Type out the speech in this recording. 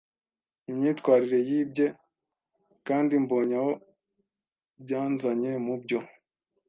imyitwarire yibye, kandi mbonye aho byanzanye - mubyo